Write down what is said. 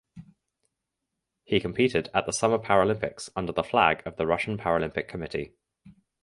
He competed at the Summer Paralympics under the flag of the Russian Paralympic Committee.